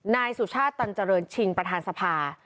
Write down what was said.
นายสุชาติตันเจริญชิงประธานสภา